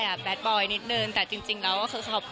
แล้วตอนนี้หรือครับ